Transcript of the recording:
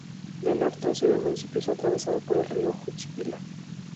De norte a sur el municipio es atravesado por el río Juchipila.